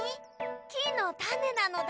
きのたねなのだ。